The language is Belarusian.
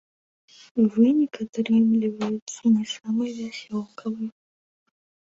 Вынік атрымліваецца не самы вясёлкавы.